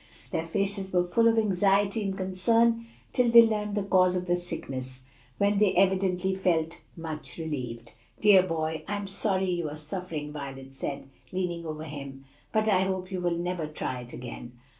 Their faces were full of anxiety and concern till they learned the cause of the sickness, when they evidently felt much relieved. "Dear boy, I'm sorry you are suffering," Violet said, leaning over him, "but I hope you will never try it again."